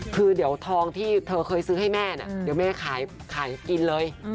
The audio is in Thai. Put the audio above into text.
คือเดี๋ยวทองที่เธอเคยซื้อให้แม่เนี่ยเดี๋ยวแม่ขายกินเลย